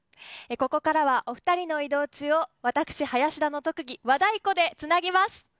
ここからは、お二人の移動中を私、林田の特技和太鼓でつなぎます！